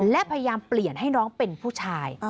และพยายามเปลี่ยนให้น้องเป็นผู้ชาย